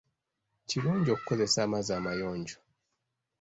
Kirungi okukozesa amazzi amayonjo.